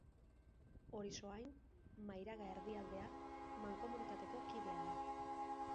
Orisoain, Mairaga-Erdialdea mankomunitateko kidea da.